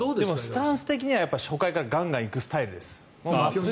スタンス的には初回からどんどん行くスタンスです。